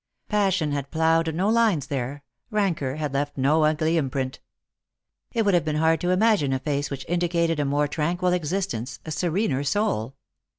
Passion had ploughed no lines there, rancour had left no ugly imprint. It would have been hard to imagine a face which indicated a more fcranquil existence, a serener soul.